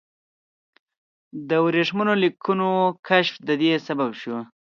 د ورېښمینو لیکونو کشف د دې سبب شو.